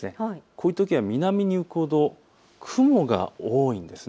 こういうときは南に行くほど雲が多いんです。